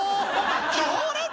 強烈！